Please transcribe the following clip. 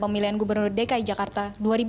pemilihan gubernur dki jakarta dua ribu tujuh belas